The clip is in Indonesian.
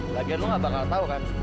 lagian lu gak bakal tau kan